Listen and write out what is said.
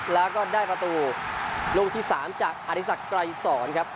แล้วก็ได้ประตูลูกที่๓จากอธิสักไกรสอนครับ